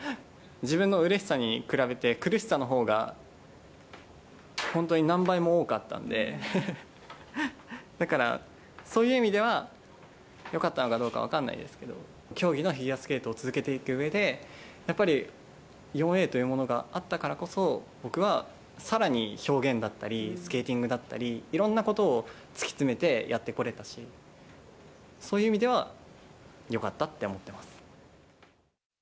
自分のうれしさに比べて、苦しさのほうが本当に何倍も多かったんで、だから、そういう意味では、よかったのかどうか分かんないですけど、競技のフィギュアスケートを続けていくうえで、やっぱり、４Ａというものがあったからこそ、僕は、さらに表現だったり、スケーティングだったり、いろんなことを突き詰めてやってこれたし、そういう意味では、よかったって思ってます。